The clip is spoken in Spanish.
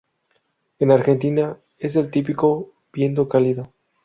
En Argentina, es el típico viento cálido.